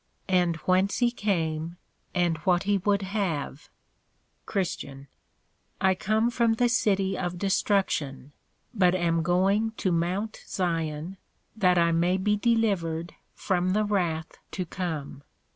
and whence he came? and what he would have? CHR. I come from the City of Destruction, but am going to Mount Zion, that I may be delivered from the wrath to come.